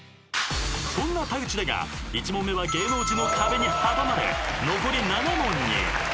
［そんな田口だが１問目は芸能人の壁に阻まれ残り７問に］